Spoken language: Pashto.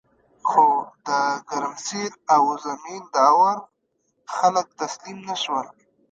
خو د ګرمسیر او زمین داور خلک تسلیم نشول.